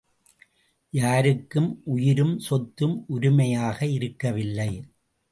யாருக்கும் உயிரும் சொத்தும் உரிமையாக இருக்கவில்லை.